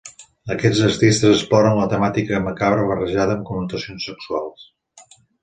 Aquests artistes exploren la temàtica macabra barrejada amb connotacions sexuals.